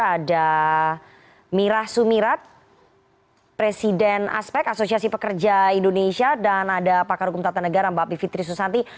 ada mirah sumirat presiden aspek asosiasi pekerja indonesia dan ada pakar hukum tata negara mbak bibi fitri susanti